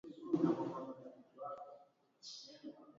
aina za viazi lishe